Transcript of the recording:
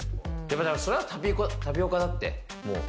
それはタピオカだって、もう。